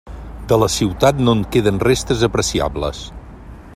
De la ciutat no en queden restes apreciables.